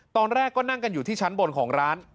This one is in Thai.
ตอนแรกก็นั่งกันอยู่ที่ชั้นบนของร้าน